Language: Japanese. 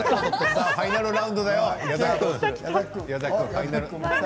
ファイナルラウンドだよ。